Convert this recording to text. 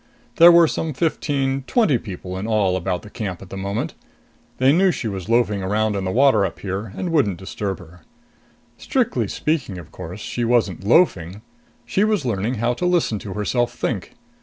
There were some fifteen, twenty people in all about the camp at the moment. They knew she was loafing around in the water up here and wouldn't disturb her. Strictly speaking, of course, she wasn't loafing. She was learning how to listen to herself think.